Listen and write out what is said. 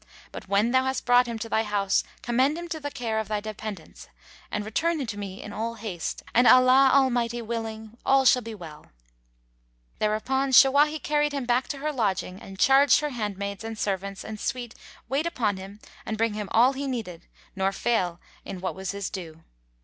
But, when thou hast brought him to thy house, commend him to the care of thy dependents and return to me in all haste; and Allah Almighty willing![FN#147] all shall be well." Thereupon Shawahi carried him back to her lodging and charged her handmaids and servants and suite wait upon him and bring him all he needed nor fail in what was his due.